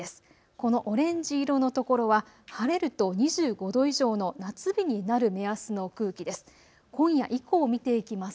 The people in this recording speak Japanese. このオレンジ色の所は晴れると２５度以上の夏日になる目安の空気です。